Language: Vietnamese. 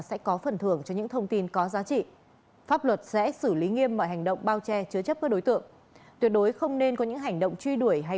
xin chào và hẹn gặp lại